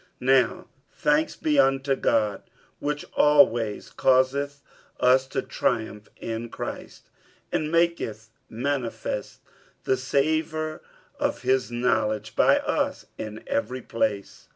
47:002:014 Now thanks be unto God, which always causeth us to triumph in Christ, and maketh manifest the savour of his knowledge by us in every place.